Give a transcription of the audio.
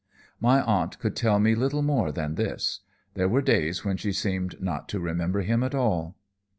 "My aunt could tell me little more than this. There were days when she seemed not to remember him at all.